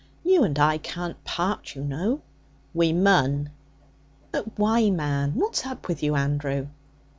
'You and I can't part, you know.' 'We mun.' 'But why, man? What's up with you, Andrew?'